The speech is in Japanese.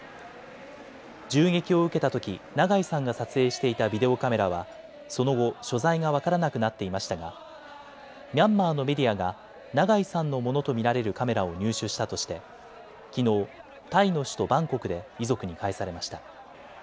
銃撃を受けたとき長井さんが撮影していたビデオカメラはその後、所在が分からなくなっていましたがミャンマーのメディアが長井さんのものと見られるカメラを入手したとしてきのうタイの首都バンコクで遺族に返されました。